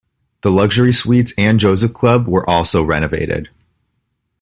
The luxury suites and Joseph Club were also renovated.